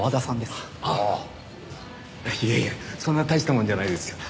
いやいやそんな大したもんじゃないですよ。